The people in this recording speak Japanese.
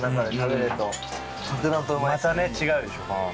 またね違うでしょ。